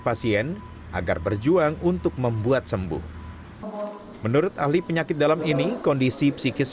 pasien agar berjuang untuk membuat sembuh menurut ahli penyakit dalam ini kondisi psikis